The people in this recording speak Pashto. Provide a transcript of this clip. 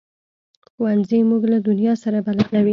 ښوونځی موږ له دنیا سره بلدوي